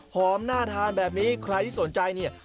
น่าทานแบบนี้ใครที่สนใจเนี่ย